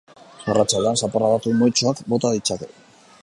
Arratsaldean, zaparrada trumoitsuak bota ditzake.